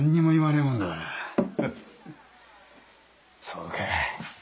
そうか。